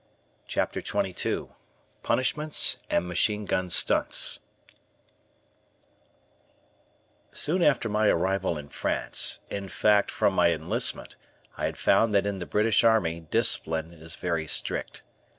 CHAPTER XXII PUNISHMENTS AND MACHINE GUN STUNTS Soon after my arrival in France, in fact from my enlistment, I had found that in the British Army discipline is very strict.